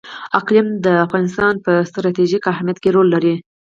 اقلیم د افغانستان په ستراتیژیک اهمیت کې رول لري.